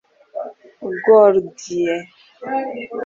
Goldie